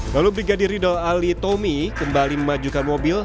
lalu brigadir rido ali tommy kembali memajukan mobil